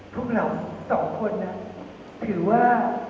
พวกเราสองคนถือว่า